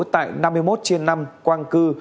tại năm mươi một trên năm quang cư